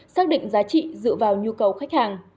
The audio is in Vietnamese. xác định giá trị dựa vào nhu cầu khách hàng